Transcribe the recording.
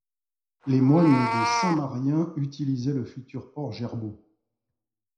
Les moines de Saint-Marien utilisaient le futur port Gerbaut.